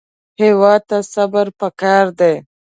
هېواد ته صبر پکار دی